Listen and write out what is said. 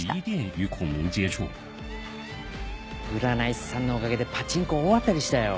占い師さんのおかげでパチンコ大当たりしたよ